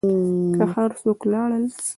که هر څوک و لاړل.